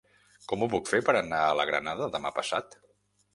Com ho puc fer per anar a la Granada demà passat?